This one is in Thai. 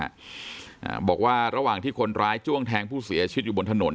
อ่าบอกว่าระหว่างที่คนร้ายจ้วงแทงผู้เสียชีวิตอยู่บนถนน